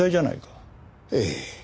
ええ。